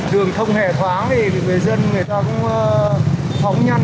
đường thông hệ thoáng thì người dân người ta cũng phóng nhăn